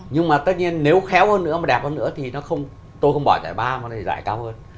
nhưng mà tất nhiên nếu khéo hơn nữa mà đẹp hơn nữa thì tôi không bỏ trải ba mà trải cao hơn